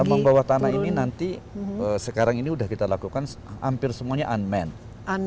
jadi tambang bawah tanah ini nanti sekarang ini udah kita lakukan hampir semuanya unmanned